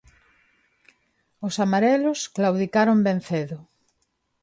Os amarelos claudicaron ben cedo.